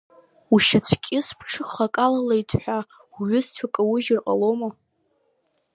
Ушьацәкьыс ԥҽыхак алалеит ҳәа уҩызцәа каужьыр ҟалома.